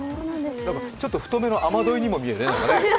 ちょっと太めの雨どいにも見えるね。